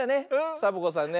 サボ子さんね。